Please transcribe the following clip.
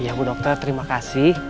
ya bu dokter terima kasih